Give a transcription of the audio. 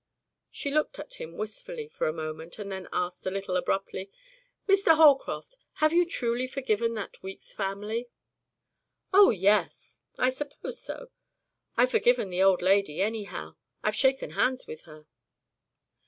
She looked at him wistfully for a moment and then asked, a little abruptly, "Mr. Holcroft, have you truly forgiven that Weeks family?" "Oh, yes! I suppose so. I've forgiven the old lady, anyhow. I've shaken hands with her."